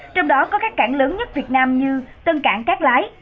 trong đó có các cảng lớn nhất việt nam như tân cảng cát lái